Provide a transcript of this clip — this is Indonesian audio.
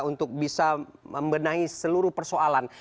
untuk bisa membenahi seluruh persoalan